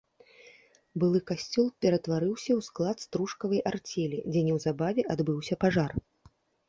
Былы касцёл ператварыўся ў склад стружкавай арцелі, дзе неўзабаве адбыўся пажар.